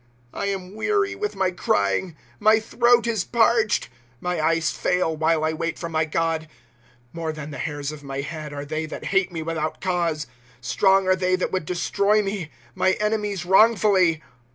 ^ I am weary with my crying, my throat is parched ; My eyes fail, while I wait for my God. * More than the hairs of my head arc they that hate mo witli out cause ; Strong are they that would destroy me, my enemies wrong fully.